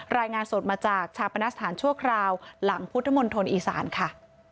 รายงานสดมาจากชาปนสถานชั่วคราวหลังพุทธมณฑลอีสานค่ะ